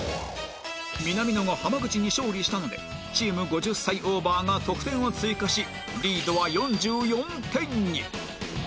南野が濱口に勝利したのでチーム５０歳オーバーが得点を追加しリードは４４点に